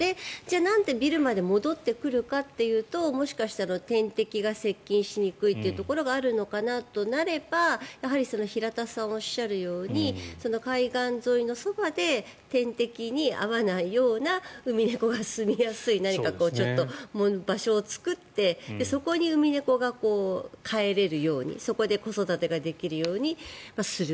なんでビルまで戻ってくるかというともしかしたら天敵が接近しにくいのかなということであればやはり平田さんがおっしゃるように海岸沿いのそばで天敵に会わないようなウミネコがすみやすい何か場所を作ってそこにウミネコが帰れるようにそこで子育てができるようにする。